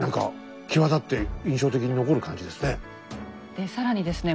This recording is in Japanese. で更にですね